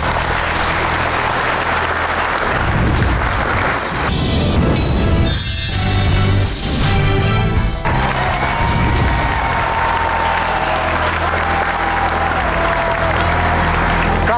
ขอบคุณครับ